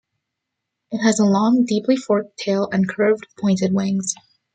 It has a long, deeply forked tail and curved, pointed wings.